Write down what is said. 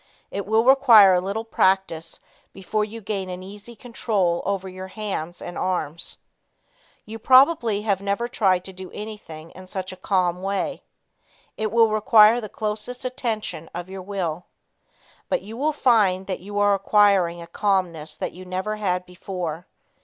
It will require a little practice before you gain an easy control over your hands and arms. You probably have never tried to do anything in such a calm way. It will require the closest attention of your will. But you will find that you are acquiring a calmness you never had before.